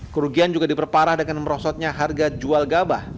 kerugian juga diperparah dengan merosotnya harga jual gabah